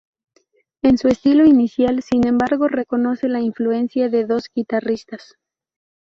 En su estilo inicial, sin embargo, reconoce la influencia de dos guitarristas.